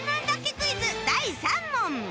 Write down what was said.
クイズ第３問。